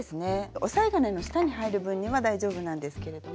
押さえ金の下に入る分には大丈夫なんですけれども。